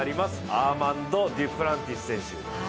アーマンド・デュプランティス選手